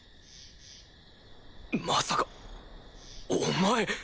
まさかお前。